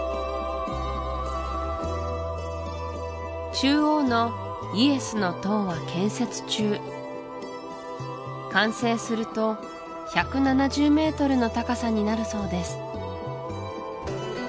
中央の「イエスの塔」は建設中完成すると１７０ｍの高さになるそうです